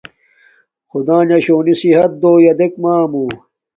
خدݳن شݸنݵ صحت دݸ ݵݳ دݵک مݳمݸ.